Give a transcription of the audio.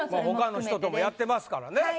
他の人ともやってますからね。